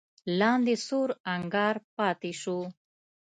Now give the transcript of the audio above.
لاندې سور انګار پاتې شو.